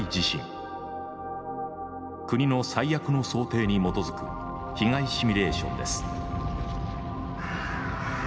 国の最悪の想定に基づく被害シミュレーションです。